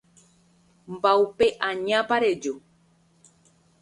Mba'upe añápa reju